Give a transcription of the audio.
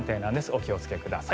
お気をつけください。